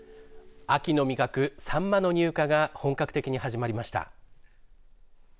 秋の味覚、さんまの入荷が本格的に始まりました。